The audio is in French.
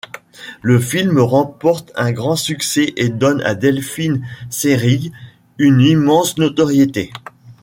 Le film remporte un grand succès et donne à Delphine Seyrig une immense notoriété.